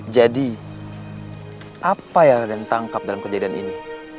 jadi apa yang raden tangkap dalam kejadian ini